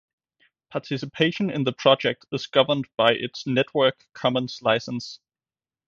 Participation in the project is governed by its Network Commons License.